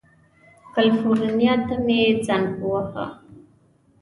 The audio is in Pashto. کلیفورنیا ته مې زنګ ووهه.